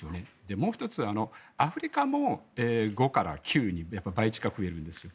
もう１つ、アフリカも５から９に倍近く増えるんです。